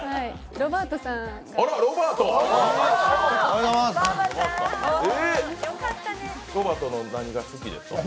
ロバートの何が好きですか？